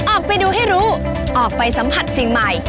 ออกไปดูให้รู้ออกไปสัมผัสสิ่งใหม่